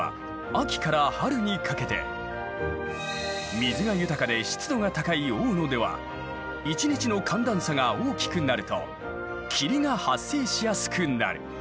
水が豊かで湿度が高い大野では一日の寒暖差が大きくなると霧が発生しやすくなる。